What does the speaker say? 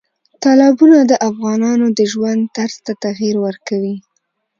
تالابونه د افغانانو د ژوند طرز ته تغیر ورکوي.